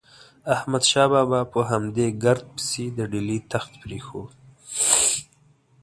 احمد شاه بابا په همدې ګرد پسې د ډیلي تخت پرېښود.